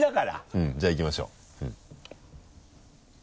うんじゃあいきましょう。